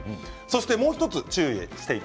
もう１つ注意があります。